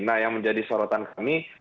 nah yang menjadi sorotan kami